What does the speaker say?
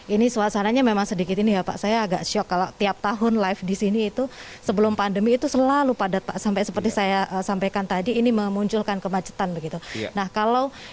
ini suasananya memang sedikit ini ya pak saya agak shock kalau tiap tahun live di sini itu sebelum pandemi itu selalu padat pak sampai seperti saya sampaikan tadi ini memunculkan kemacetan begitu